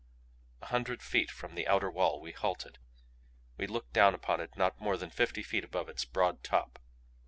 A hundred feet from the outer wall we halted. We looked down upon it not more than fifty feet above its broad top.